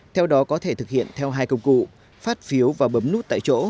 theo đó có thể thực hiện theo hai công cụ phát phiếu và bấm nút tại chỗ